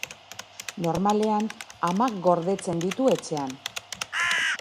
Normalean, amak gordetzen ditu etxean.